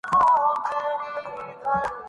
معاشرے کو اگر اس سے نکالنا ہے۔